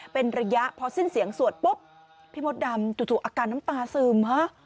เป็นระยะพอสิ้นเสียงสวดปุ๊บพี่มดดำจู่อาการน้ำตาซึมฮะ